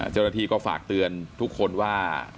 เจ้าหน้าที่ก็ฝากเตือนทุกคนว่า